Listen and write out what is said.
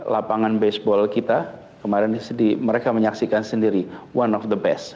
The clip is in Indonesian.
lapangan baseball kita kemarin mereka menyaksikan sendiri one of the best